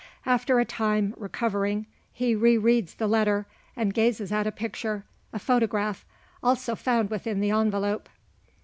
After a time, recovering, he re reads the letter, and gazes at a picture a photograph also found within the envelope.